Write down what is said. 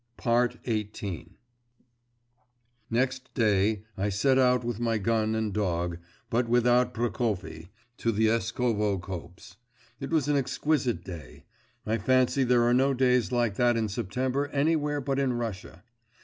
XVIII Next day I set out with my gun and dog, but without Prokofy, to the Eskovo copse. It was an exquisite day; I fancy there are no days like that in September anywhere but in Russia.